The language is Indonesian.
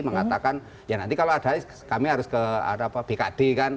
mengatakan ya nanti kalau ada kami harus ke bkd kan